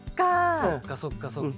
そっかそっかそっか。